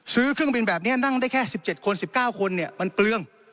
ซื้อเครื่องบินแบบนี้นั่งได้แค่๑๗คน๑๙คนมันเปลือง